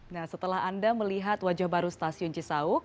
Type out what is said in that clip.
nah setelah anda melihat wajah baru stasiun cisauk